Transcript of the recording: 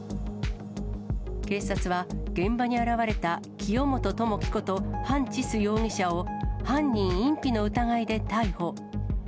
警察は、現場に現れた清本智樹こと韓智樹容疑者を、犯人隠避の疑いで逮捕。